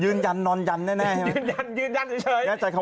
ยืนยันนอนยันได้แน่ใช่ไหม